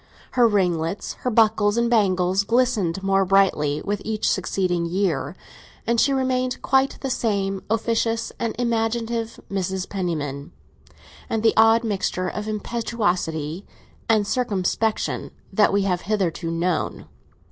Her ringlets, her buckles and bangles, glistened more brightly with each succeeding year, and she remained quite the same officious and imaginative Mrs. Penniman, and the odd mixture of impetuosity and circumspection, that we have hitherto known.